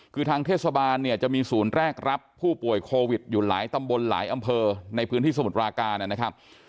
คือทางเทศบาลเนี่ยจะมีศูนย์แรกรับผู้ป่วยโควิดอยู่หลายตำบลหลายอำเภอในพื้นที่สมุทรปราการนะครับ